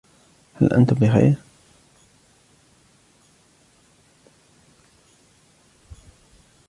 هل أنتم بخير